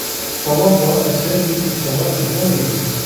توضّأ سامي لصلاة المغرب.